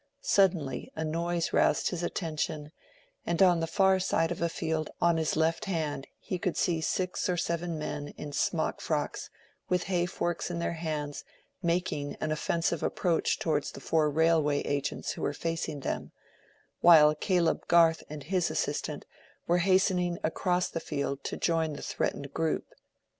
Suddenly a noise roused his attention, and on the far side of a field on his left hand he could see six or seven men in smock frocks with hay forks in their hands making an offensive approach towards the four railway agents who were facing them, while Caleb Garth and his assistant were hastening across the field to join the threatened group.